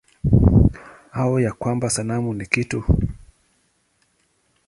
Au ya kwamba sanamu ni kitu?